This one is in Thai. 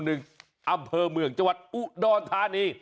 อำทเปอร์ก์จังหวันอุดอนทาน